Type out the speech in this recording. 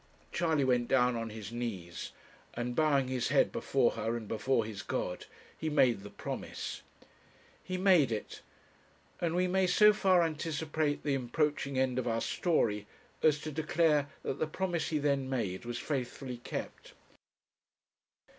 Charley went down on his knees, and bowing his head before her and before his God, he made the promise. He made it, and we may so far anticipate the approaching end of our story as to declare that the promise he then made was faithfully kept.